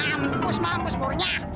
mampus mampus wonyah